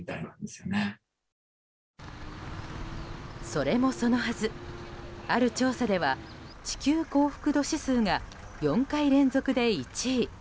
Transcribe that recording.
それもそのはずある調査では地球幸福度指数が４回連続で１位。